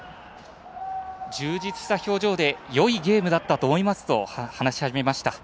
充実した表情でよいゲームだったと思いますと話し始めました。